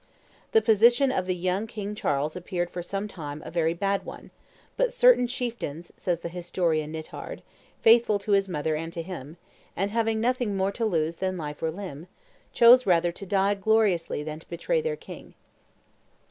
The position of the young King Charles appeared for some time a very bad one; but "certain chieftains," says the historian Nithard, "faithful to his mother and to him, and having nothing more to lose than life or limb, chose rather to die gloriously than to betray their king."